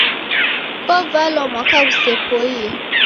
Kovalwa mwaka ghusepoie